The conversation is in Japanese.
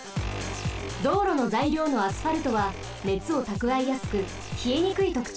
どうろのざいりょうのアスファルトはねつをたくわえやすくひえにくいとくちょうをもっています。